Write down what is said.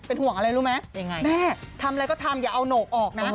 ห่วงอะไรรู้ไหมยังไงแม่ทำอะไรก็ทำอย่าเอาโหนกออกนะ